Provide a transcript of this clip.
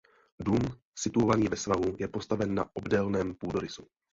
Dům situovaný ve svahu je postaven na obdélném půdorysu.